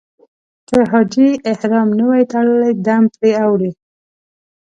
که حاجي احرام نه وي تړلی دم پرې اوړي.